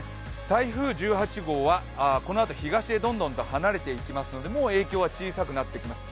台風１８号はこのあと東へどんどんと離れていきますのでもう影響は小さくなってきます。